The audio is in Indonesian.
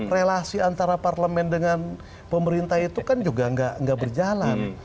relasi antara parlemen dengan pemerintah itu kan juga nggak berjalan